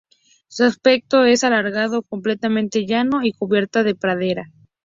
Su aspecto es alargado, completamente llano y cubierta de pradera.